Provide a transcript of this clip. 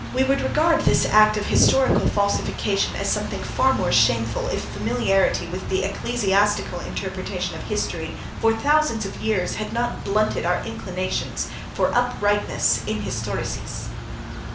We would regard this act of historical falsification as something far more shameful if familiarity with the ecclesiastical interpretation of history for thousands of years had not blunted our inclinations for uprightness in historicis.